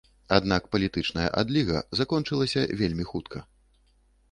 Аднак палітычная адліга закончылася вельмі хутка.